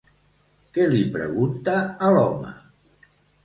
Què li pregunta a l'home?